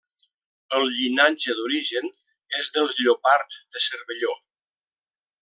El llinatge d'origen és dels Llopart de Cervelló.